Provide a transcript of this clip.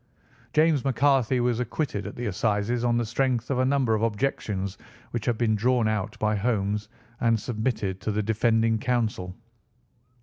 '" James McCarthy was acquitted at the Assizes on the strength of a number of objections which had been drawn out by Holmes and submitted to the defending counsel.